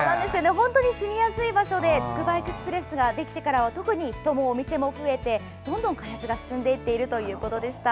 本当に住みやすい場所でつくばエクスプレスができてからは人もお店も増えて、どんどん開発が進んでいっているということでした。